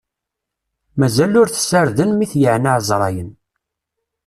Mazal ur t-ssarden, mi t-yeɛna ɛezṛayen.